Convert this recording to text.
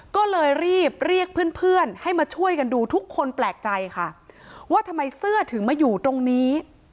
ก็เลยรีบเรียกเพื่อนเพื่อนให้มาช่วยกันดูทุกคนแปลกใจค่ะว่าทำไมเสื้อถึงมาอยู่ตรงนี้